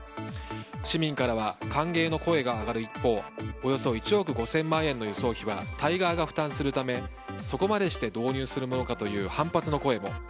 市民からは歓迎の声が上がる一方およそ１億５０００万円の輸送費はタイ側が負担するためそこまでして導入するものかという反発の声も。